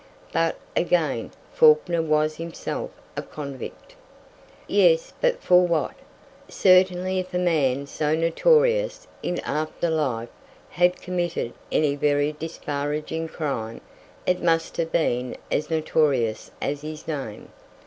But, again, Fawkner was himself a convict. Yes, but for what? Certainly if a man so notorious in after life had committed any very disparaging crime it must have been as notorious as his name.